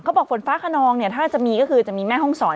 ฝนฟ้าขนองเนี่ยถ้าจะมีก็คือจะมีแม่ห้องศร